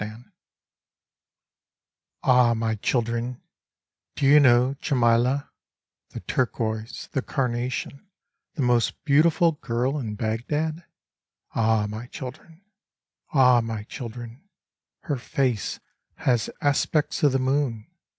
AH I my children I do you know Djemileh, The turquoise, the carnation, the most beautiful girl in Bagdad ? Ah ! my children ! Ah I my children I her face has aspects of the moon.